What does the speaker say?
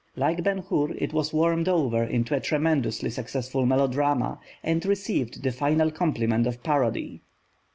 Like Ben Hur, it was warmed over into a tremendously successful melodrama, and received the final compliment of parody.